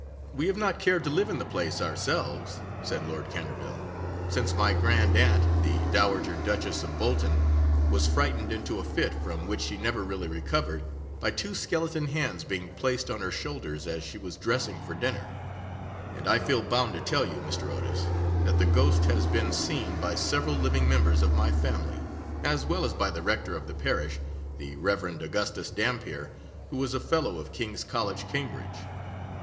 'We have not cared to live in the place ourselves,' said Lord Canterville, 'since my grandaunt, the Dowager Duchess of Bolton, was frightened into a fit, from which she never really recovered, by two skeleton hands being placed on her shoulders as she was dressing for dinner, and I feel bound to tell you, Mr. Otis, that the ghost has been seen by several living members of my family, as well as by the rector of the parish, the Rev. Augustus Dampier, who is a Fellow of King's College, Cambridge.